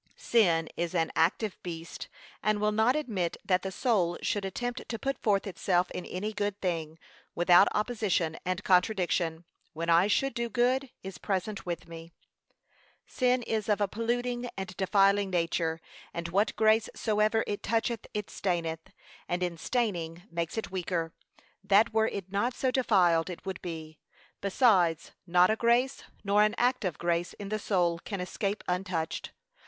Sin is an active beast, and will not admit that the soul should attempt to put forth itself in any good thing, without opposition and contradiction. 'When I should do good evil is present with me.' Sin is of a polluting and defiling nature, and what grace soever it toucheth it staineth, and in staining makes it weaker, than were it not so defiled it would be. Besides, not a grace, nor an act of grace in the soul can escape untouched.